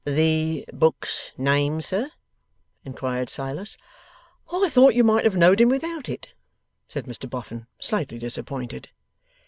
'The book's name, sir?' inquired Silas. 'I thought you might have know'd him without it,' said Mr Boffin slightly disappointed.